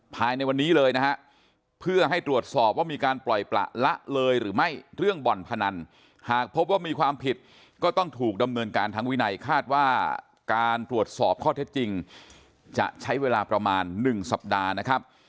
ภายในวันนี้เลยนะฮะเพื่อให้ตรวจสอบว่ามีการปล่อยประละเลยหรือไม่เรื่องบ่อนพนันหากพบว่ามีความผิดก็ต้องถูกดำเนินการทางวินัยคาดว่าการตรวจสอบข้อเท็จจริงจะใช้เวลาประมาณ๑สัปดาห์นะครับ